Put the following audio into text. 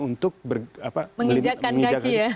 untuk mengijakkan kaki ya